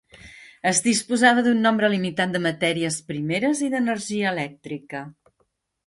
Es disposava d'un nombre limitat de matèries primeres i d'energia elèctrica.